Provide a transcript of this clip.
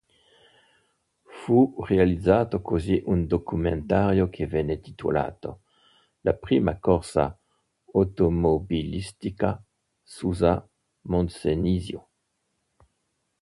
Fu realizzato così un documentario che venne titolato "La prima corsa automobilistica Susa Moncenisio".